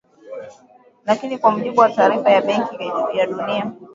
Lakini kwa mujibu wa taarifa ya Benki ya Dunia